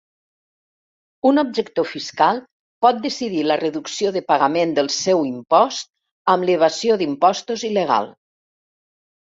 Un objector fiscal pot decidir la reducció de pagament dels seu imposts amb l'evasió d'impostos il·legal.